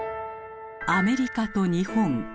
アメリカと日本。